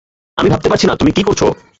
আমি ভাবতে পারছি না, তুমি কি করেছো!